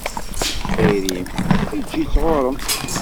Tayri-m? Eǧǧ-itt ɣur-m.